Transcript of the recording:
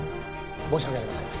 申し訳ありません。